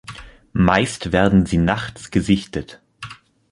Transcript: Meist werden sie nachts gesichtet.